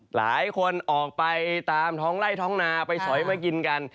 หลายคนออกไปตามท้องไล่ท้องนาไปสอยมากินกัน